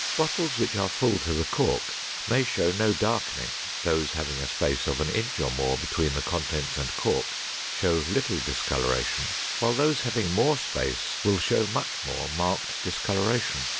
Bottles which are full to the cork may show no darkening, those having a space of an inch or more between the contents and cork may show little discoloration, while those having more space will show much more marked discoloration.